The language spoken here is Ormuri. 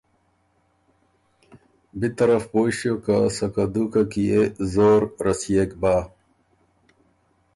بی طرف پویٛ ݭیوک که سکه دُوکه کی يې زور رسيېک بۀ۔